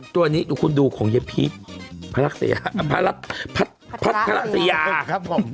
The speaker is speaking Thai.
ตัวนี้คุณดูของเย็บพีชพระลักษณ์พระลักษณ์พระลักษณ์พระลักษยาครับผม